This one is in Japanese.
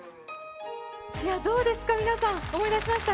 どうですか、皆さん、思い出しました？